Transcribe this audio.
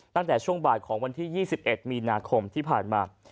ตั้งแต่ช่วงบ่ายของวันที่๒๑มีนาคมที่ผ่านมา